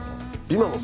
今も？